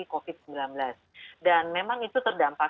covid sembilan belas dan memang itu terdampak